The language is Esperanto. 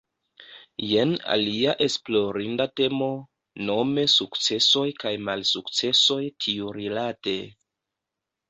Jen alia esplorinda temo, nome sukcesoj kaj malsukcesoj tiurilate.